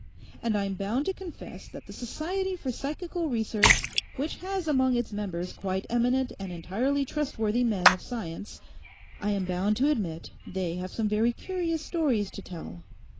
And I'm bound to confess that the Society for Psychical Research, which has among its members quite eminent and entirely trustworthy men of science—I am bound to admit they have some very curious stories to tell.